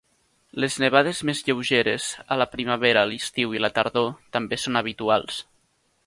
Les nevades més lleugeres a la primavera, l'estiu i la tardor també són habituals.